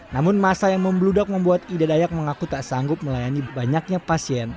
namun masa yang membludak membuat ida dayak mengaku tak sanggup melayani banyaknya pasien